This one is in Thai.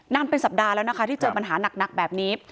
เป็นสัปดาห์แล้วนะคะที่เจอปัญหาหนักแบบนี้